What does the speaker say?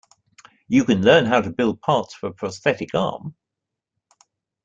You can learn how to build parts for a prosthetic arm.